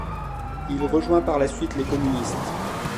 Il rejoint par la suite les communistes.